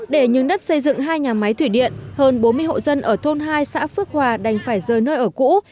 để nhường đất xây dựng hai nhà máy thủy điện hơn bốn mươi hộ dân ở thôn hai xã phước hòa đành phải rời nơi ở cũ